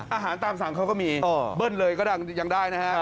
อาหารตามสั่งเขาก็มีเบิ้ลเลยก็ยังได้นะฮะ